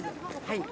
はい。